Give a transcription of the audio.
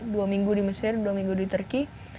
dua minggu di mesir dua minggu di turki